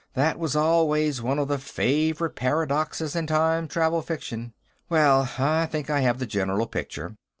That was always one of the favorite paradoxes in time travel fiction.... Well, I think I have the general picture.